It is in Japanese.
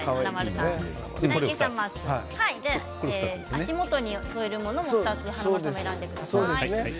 足元に添えるものを２つ選んでください。